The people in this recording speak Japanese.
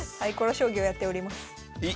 将棋をやっております。